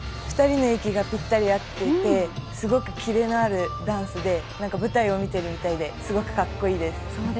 ２人の息がぴったり合っていてすごく切れのあるダンスで舞台を見ているみたいですごく格好いいです。